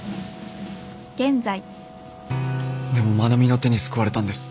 でも愛菜美の手に救われたんです。